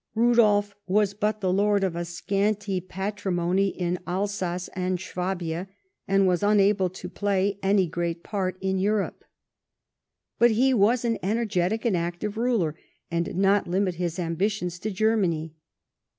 Eudolf was but the lord of a scanty patrimony in Alsace and Swabia, and was unable to play any great part in Europe. But he Avas an energetic and active ruler, and did not limit his ambitions to Germany.